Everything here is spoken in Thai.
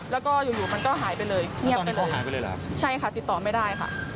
แล้วก็อยู่อยู่มันก็หายไปเลยเงียบไปเลยเหรอใช่ค่ะติดต่อไม่ได้ค่ะ